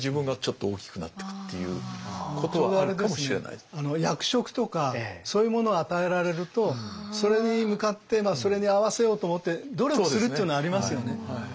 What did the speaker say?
そうするとまた役職とかそういうものを与えられるとそれに向かってそれに合わせようと思って努力するっていうのはありますよね。